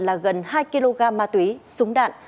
là gần hai kg ma túy súng đạn